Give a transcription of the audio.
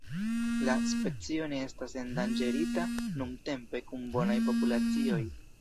La specio ne estas endanĝerita nuntempe, kun bonaj populacioj.